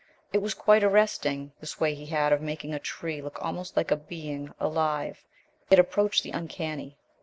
It was quite arresting, this way he had of making a tree look almost like a being alive. It approached the uncanny.